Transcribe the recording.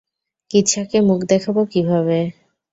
কিছাকে মুখ দেখাবো কীভাবে?